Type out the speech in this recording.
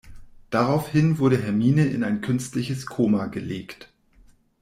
Daraufhin wurde Hermine in ein künstliches Koma gelegt.